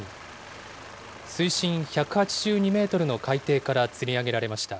水深１８２メートルの海底からつり上げられました。